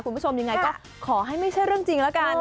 คุณผู้ชมยังไงก็ขอให้ไม่ใช่เรื่องจริงแล้วกัน